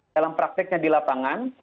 dalam prakteknya di lapangan